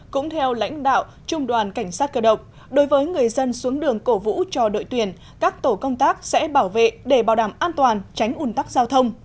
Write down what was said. cũng theo lãnh đạo trung đoàn cảnh sát cơ động đối với người dân xuống đường cổ vũ cho đội tuyển các tổ công tác sẽ bảo vệ để bảo đảm an toàn tránh ủn tắc giao thông